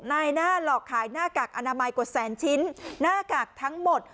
นายหน้าหลอกขายหน้ากากอนามัยกว่าแสนชิ้นหน้ากากทั้งหมด